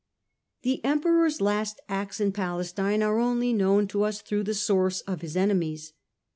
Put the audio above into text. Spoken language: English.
The Emperor's last acts in Palestine are only known to us through the source of his enemies.